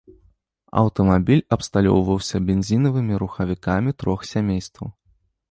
Аўтамабіль абсталёўваўся бензінавымі рухавікамі трох сямействаў.